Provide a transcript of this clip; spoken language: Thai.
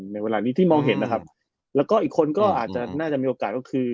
เวลานี้ที่มองเห็นนะครับแล้วก็อีกคนก็อาจจะน่าจะมีโอกาสก็คือ